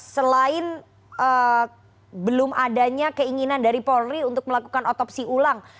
selain belum adanya keinginan dari polri untuk melakukan otopsi ulang